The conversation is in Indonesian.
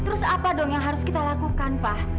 terus apa dong yang harus kita lakukan pak